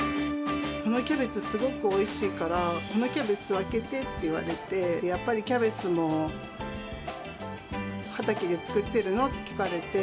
このキャベツすごくおいしいからこのキャベツ分けてって言われてやっぱりキャベツも畑で作ってるの？って聞かれて。